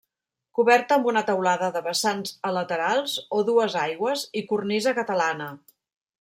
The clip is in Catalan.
Coberta amb una teulada de vessants a laterals o dues aigües, i cornisa catalana.